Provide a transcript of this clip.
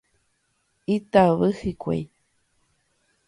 Itavy hikuái.